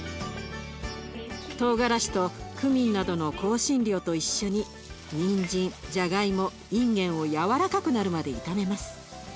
トウガラシとクミンなどの香辛料と一緒ににんじんじゃがいもいんげんを軟らかくなるまで炒めます。